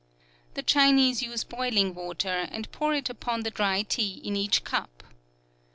The Chinese use boiling water, and pour it upon the dry tea in each cup.